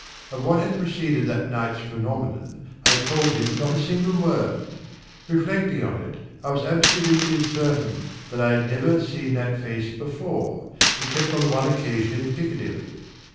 Of what had proceeded that night's phenomenon, I told him not a single word. Reflecting on it, I was absolutely certain that I had never seen that face before, except on the one occasion in Piccadilly.